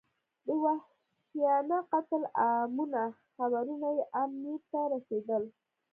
د وحشیانه قتل عامونو خبرونه یې امیر ته رسېدل.